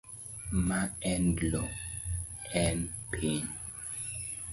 Ma en loo, en piny.